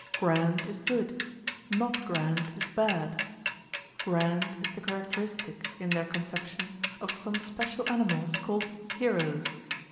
Grand is good, not grand is bad. Grand is the characteristic, in their conception, of some special animals called "heroes."